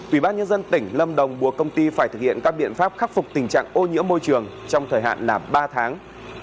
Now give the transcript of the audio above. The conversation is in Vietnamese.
ủy ban nhân dân tỉnh lâm đồng buộc công ty phải thực hiện các biện pháp khắc phục tình trạng ô nhiễm môi trường trong thời hạn là ba tháng